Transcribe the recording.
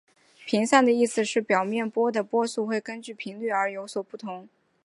频散的意思是表面波的波速会根据频率而有所不同。